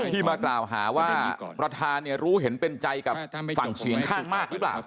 คุณธิรัชชัยต้องกล่าวหาว่าประธานรู้เห็นเป็นใจกับฝั่งเฉียงข้างมากหรือเปล่า